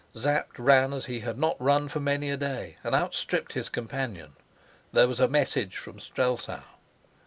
Sapt ran as he had not run for many a day, and outstripped his companion. There was a message from Strelsau!